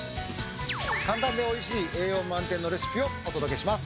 簡単で美味しい栄養満点のレシピをお届けします。